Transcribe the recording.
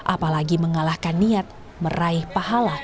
apalagi mengalahkan niat meraih pahala